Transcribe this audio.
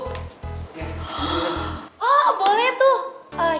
hah oh boleh tuh